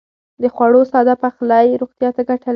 د خوړو ساده پخلی روغتيا ته ګټه لري.